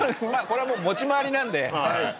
これはもう持ち回りなんで。